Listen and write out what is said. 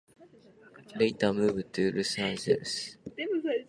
Gunderloy later moved to Rensselaer, New York, where he continued to publish.